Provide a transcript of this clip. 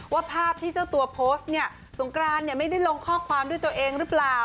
ว่าภาพที่เจ้าตัวโพสต์เนี่ยสงกรานเนี่ยไม่ได้ลงข้อความด้วยตัวเองหรือเปล่า